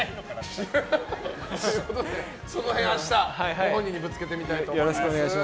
その辺を明日ご本人にぶつけてみたいと思います。